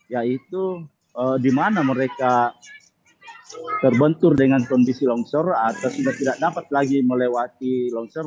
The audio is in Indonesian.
yaitu di mana mereka terbentur dengan kondisi longsor atau sudah tidak dapat lagi melewati longsor